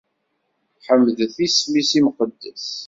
Ḥemdet isem-is imqeddes.